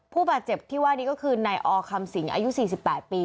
ผู้บาดเจ็บที่ว่านี้ก็คือนายอคำสิงอายุ๔๘ปี